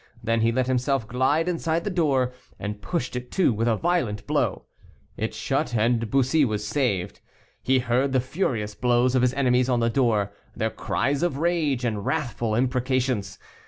Then he let himself glide inside the door, and pushed it to with a violent blow. It shut, and Bussy was saved. He heard the furious blows of his enemies on the door, their cries of rage, and wrathful imprecations.